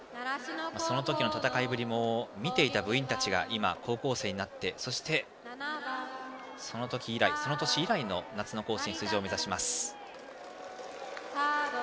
その時の戦いぶりを見ていた部員たちが今、高校生になってそして、その年以来の夏の甲子園出場を目指します。